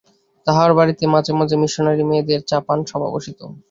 তাঁহার বাড়িতে মাঝে মাঝে মিশনরি মেয়েদের চা-পান সভা বসিত।